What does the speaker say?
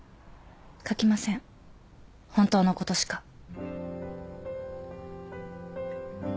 書きません本当のことしか。